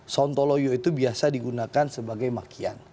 sontoloyo itu biasa digunakan sebagai makian